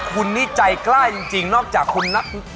คุณนี่ใจกล้าจริงนอกจากคุณนักต่อยมวยเก่งแล้วเนี่ย